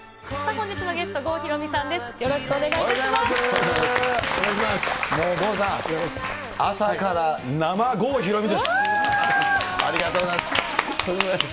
本日のゲスト、郷ひろみさんです。